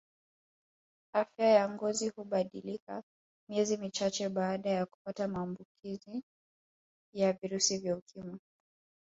Afya ya ngozi hubadilika miezi michache baada ya kupata maamukizi ya virusi vya ukimwi